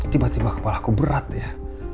tiba tiba kepala aku berat ya